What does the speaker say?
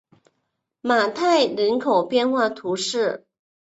马泰人口变化图示